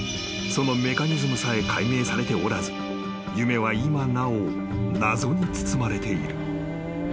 ［そのメカニズムさえ解明されておらず夢は今なお謎に包まれている］